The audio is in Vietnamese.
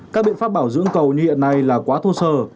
các biện pháp bảo dưỡng cầu như hiện nay là quá thô sơ